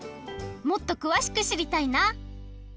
もっとくわしくしりたいな！